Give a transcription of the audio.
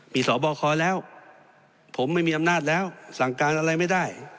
มีสบคแล้วผมไม่มีอำนาจแล้วสั่งการอะไรไม่ได้